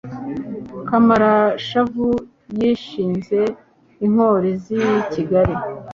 kamarashavu yishinze inkori z'i kigali